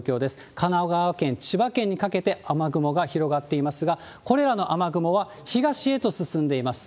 神奈川県、千葉県にかけて雨雲が広がっていますが、これらの雨雲は東へと進んでいます。